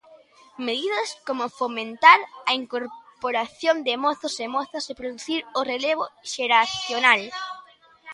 Medidas como fomentar a incorporación de mozos e mozas e producir o relevo xeracional.